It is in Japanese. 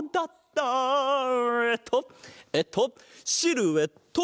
えっとえっとシルエット！